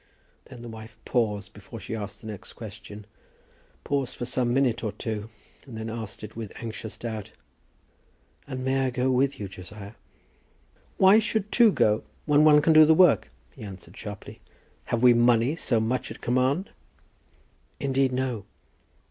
Then the wife paused before she asked the next question, paused for some minute or two, and then asked it with anxious doubt, "And may I go with you, Josiah?" "Why should two go when one can do the work?" he answered sharply. "Have we money so much at command?" "Indeed, no."